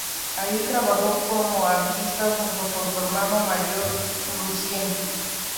Allí trabajó como artista junto con su hermano mayor Lucien.